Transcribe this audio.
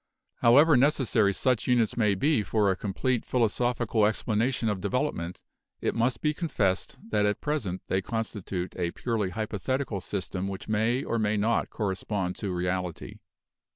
However necessary such units may be for a complete philosophical explanation of development, it must be con fessed that at present they constitute a purely hypotheti cal system which may or may not correspond to reality.